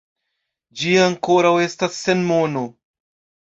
Ĝi ankoraŭ estas sen nomo.